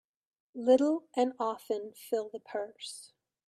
Little and often fill the purse.